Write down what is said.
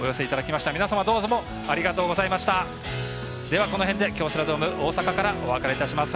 では、この辺で京セラドーム大阪からお別れします。